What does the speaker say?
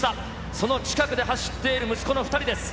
その近くで走っている息子の２人です。